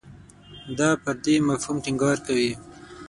دا پر دې مفهوم ټینګار کوي.